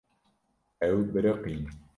Ew biriqîn.